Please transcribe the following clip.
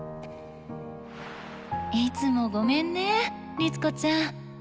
いつもごめんね律子ちゃん。